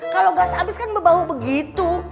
kalo gas abis kan berbau begitu